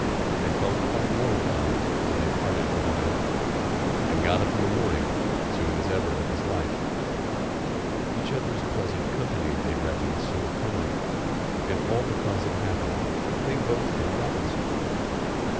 They felt quite melancholy when they parted for the night, And got up in the morning soon as ever it was light; Each other's pleasant company they reckoned so upon, And all because it happened that they both knew ROBINSON!